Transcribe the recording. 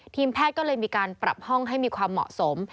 ทีมแพทย์ก็เลยมีการปรับห้องให้มีความเหมาะสม